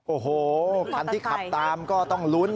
โอ้โหคันที่ขับตามก็ต้องลุ้น